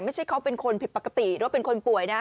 ไม่ใช่เขาเป็นคนผิดปกติหรือว่าเป็นคนป่วยนะ